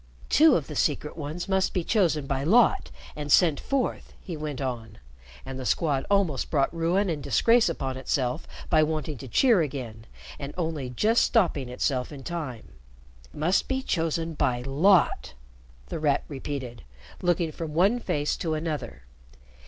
"Two of the Secret Ones must be chosen by lot and sent forth," he went on; and the Squad almost brought ruin and disgrace upon itself by wanting to cheer again, and only just stopping itself in time. "Must be chosen by lot," The Rat repeated, looking from one face to another.